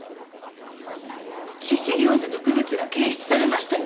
致死量の毒物が検出されましたよ。